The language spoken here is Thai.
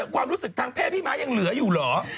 ความรู้สึกทางเพศพี่ม้ายังเหลืออยู่เหรอ